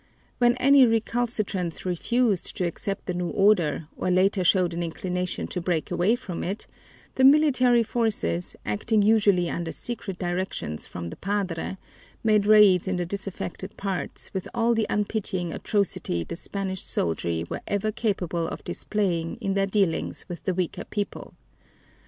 When any recalcitrants refused to accept the new order, or later showed an inclination to break away from it, the military forces, acting usually under secret directions from the padre, made raids in the disaffected parts with all the unpitying atrocity the Spanish soldiery were ever capable of displaying in their dealings with a weaker people.